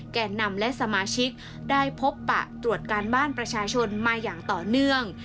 แก่นำและสมาชิกได้พบปะตรวจการบ้านประชาชนมาอย่างต่อเนื่อง